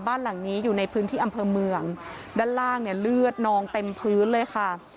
บ้านหลังนี้อยู่ในพื้นที่อำเภอเมืองด้านล่างเนี่ยเลือดนองเต็มพื้นเลยค่ะ